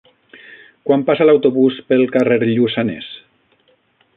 Quan passa l'autobús pel carrer Lluçanès?